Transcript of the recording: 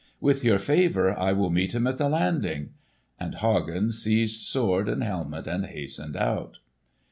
With your favour I will meet him at the landing." And Hagen seized sword and helmet and hastened out.